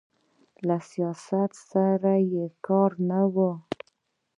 له سیاست سره یې کار نه و.